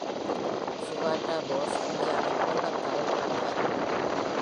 Sugata Bose இந்தியாவின் கொல்கத்தாவில் பிறந்தார்.